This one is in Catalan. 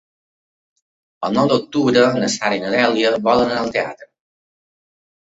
El nou d'octubre na Sara i na Dèlia volen anar al teatre.